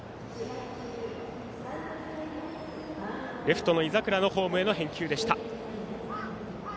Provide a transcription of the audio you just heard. レフトの井櫻のホームへの返球でした。